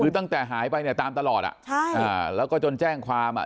คือตั้งแต่หายไปเนี่ยตามตลอดอ่ะใช่อ่าแล้วก็จนแจ้งความอ่ะ